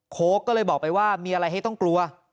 โค้กก็เลยบอกไปว่ามีอะไรให้ต้องกลัว